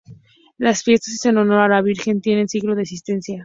Las fiestas en honor a la Virgen tienen siglos de existencia.